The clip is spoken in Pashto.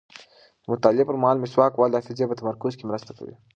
د مطالعې پر مهال مسواک وهل د حافظې په تمرکز کې مرسته کوي.